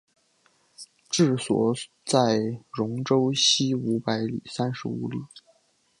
治所在戎州西五百三十五里。